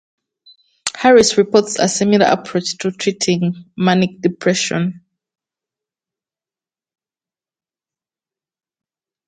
Harris reports a similar approach to treating Manic Depression.